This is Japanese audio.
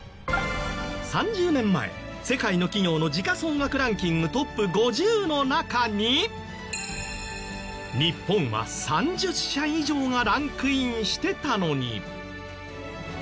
３０年前世界の企業の時価総額ランキングトップ５０の中に日本は３０社以上がランクインしてたのに。